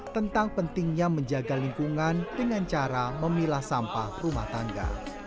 tentang pentingnya menjaga lingkungan dengan cara memilah sampah rumah tangga